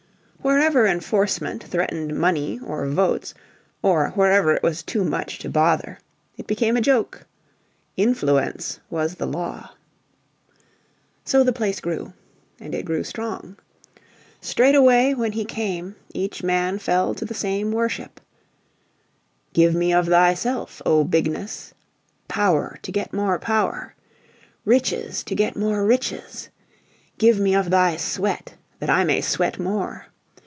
Wherever enforcement threatened Money or Votes or wherever it was too much to bother it became a joke. Influence was the law. So the place grew. And it grew strong. Straightway when he came, each man fell to the same worship: Give me of thyself, O Bigness: Power to get more power! Riches to get more riches! Give me of thy sweat that I may sweat more!